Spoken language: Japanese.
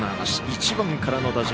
１番からの打順。